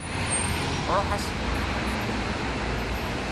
Ruḥ-as yiwet yiwet kan.